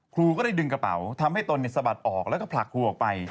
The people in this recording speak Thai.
ครูก็ได้ดึงกระเป๋าทำให้ตนสะบัดออกแล้วก็ผลักครูออกไป